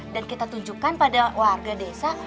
dan kita tunjukkan pada warga desa